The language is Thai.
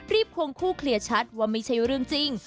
ควงคู่เคลียร์ชัดว่าไม่ใช่เรื่องจริง